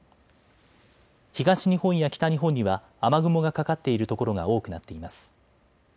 東日本や北日本には雨雲がかかっている所が多くなっています。